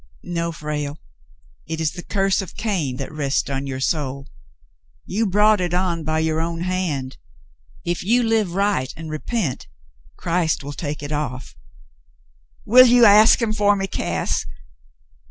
'No, Frale, it is the curse of Cain that rests on your 260 The Mountain Girl soul. You brought it on you by your own hand. If you will live right and repent, Christ will take it off." "Will you ask him for me, Cass